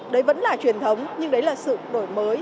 đấy vẫn là truyền thống nhưng đấy là sự đổi mới